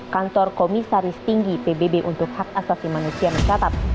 kantor komisaris tinggi pbb untuk hak asasi manusia mencatat